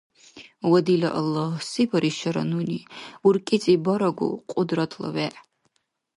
Ва дила Аллагь, се баришара нуни? УркӀецӀи барагу, Кьудратла вегӀ.